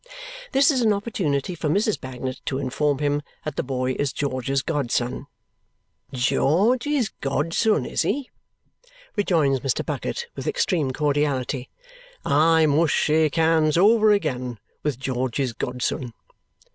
This is an opportunity for Mrs. Bagnet to inform him that the boy is George's godson. "George's godson, is he?" rejoins Mr. Bucket with extreme cordiality. "I must shake hands over again with George's godson.